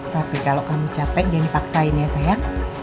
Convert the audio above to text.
tapi kalau kamu capek jangan dipaksain ya sayang